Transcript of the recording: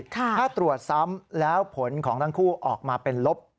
ถ้าตรวจซ้ำแล้วผลของทั้งคู่ออกมาเป็นลบ